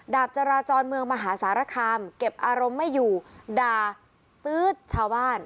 ดาบจราจรเมืองมหาสารคามเก็บอารมณ์ไม่อยู่ด่าตื๊ดชาวบ้าน